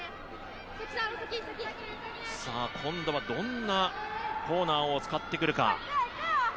今度はどんなコーナーを使ってくるか。